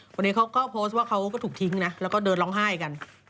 คนนี้เขาก็โพสต์ว่าเขาก็ถูกทิ้งนะแล้วก็เดินร้องไห้กัน